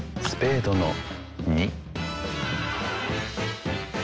スペードの３。